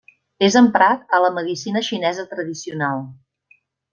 És emprat a la medicina xinesa tradicional.